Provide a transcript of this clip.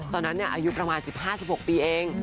ตอนนั้นอายุประมาณ๑๕๑๖ปีเอง